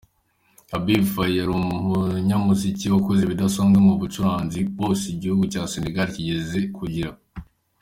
Habib Faye yari umunyamuziki wakoze ibidasanzwe mu bacuranzi bose igihugu cya Senegal kigeze kugira.